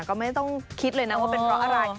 ก็ไม่ต้องคิดเลยนะว่าเป็นเพราะอะไร